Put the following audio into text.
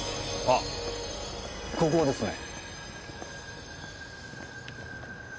あっここですね。